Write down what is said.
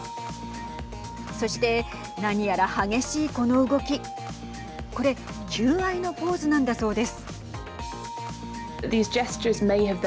そして何やら激しいこの動きこれ求愛のポーズなんだそうです。